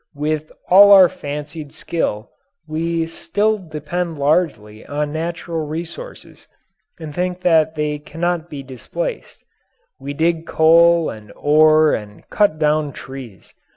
With all our fancied skill we still depend largely on natural resources and think that they cannot be displaced. We dig coal and ore and cut down trees.